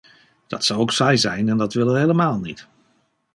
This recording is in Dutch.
Dat zou ook saai zijn en dat willen we helemaal niet.